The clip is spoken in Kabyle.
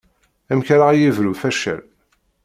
Amek ara ɣ-yebru facal.